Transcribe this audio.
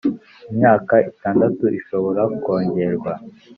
imyaka itandatu ishobora kongerwa